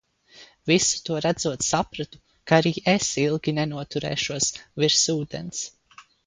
"Visu to redzot sapratu, ka arī es ilgi nenoturēšos "virs ūdens"."